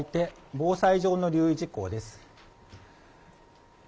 防災上の留意事項。